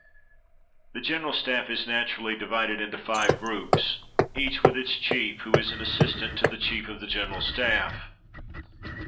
The General Staff is naturally divided into five groups, each with its chief, who is an assistant to the Chief of the General Staff.